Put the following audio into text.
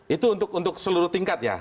itu untuk seluruh tingkat ya